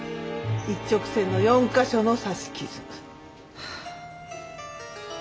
「一直線の四カ所の刺し傷」